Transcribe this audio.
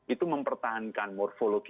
itu mempertahankan morfolomi